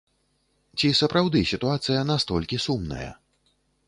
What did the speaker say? Ці сапраўды сітуацыя настолькі сумная?